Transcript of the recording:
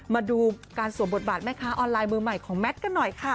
มาดูการสวมบทบาทแม่ค้าออนไลน์มือใหม่ของแมทกันหน่อยค่ะ